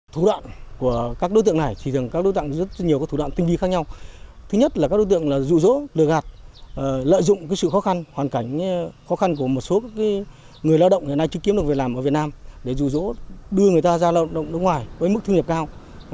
trong một đổi mỡ người dụ đưa người ta ra đường nước ngoài với mức thi nguyện cao